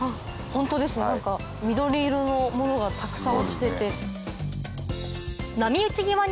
ホントですね緑色のものがたくさん落ちてて。